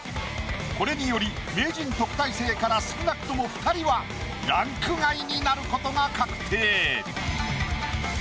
これにより名人特待生から少なくとも２人はランク外になることが確定。